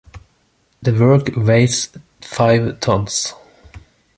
The work weighs five tons.